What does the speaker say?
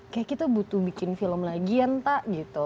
kayak kita butuh bikin film lagi ya entah gitu